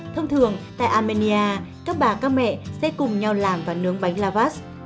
thông thường tại armenia các bà các mẹ sẽ cùng nhau làm và nướng bánh lavas